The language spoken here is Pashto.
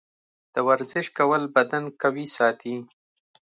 د ورزش کول بدن قوي ساتي.